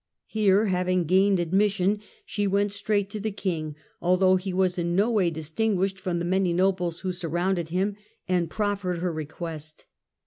Here, having gained admission, she went straight to the King, although he was in no way distinguished from the many nobles who surrounded him, and proffered her request.